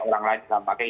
orang lain tidak pakai